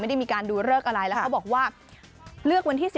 ได้มีการดูเลิกอะไรแล้วเขาบอกว่าเลือกวันที่๑๐